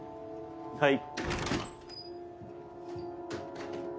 はい。